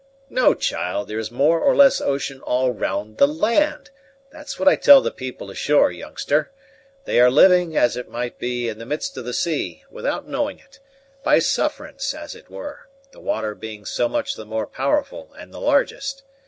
"No, child, there is more or less ocean all round the land; that's what I tell the people ashore, youngster. They are living, as it might be, in the midst of the sea, without knowing it; by sufferance, as it were, the water being so much the more powerful and the largest.